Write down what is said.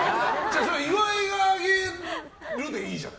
岩井が上げるでいいじゃん。